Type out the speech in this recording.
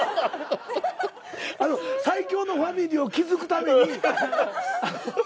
最強のファミリーを築くために。